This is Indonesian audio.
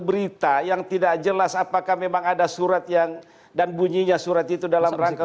berita video dari justgung horoko